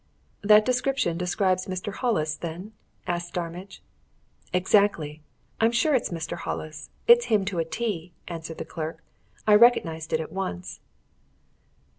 "That description describes Mr. Hollis, then?" asked Starmidge. "Exactly! I'm sure it's Mr. Hollis it's him to a T!" answered the clerk. "I recognized it at once."